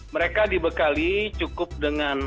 mereka dibekali cukup dengan